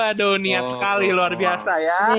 aduh niat sekali luar biasa ya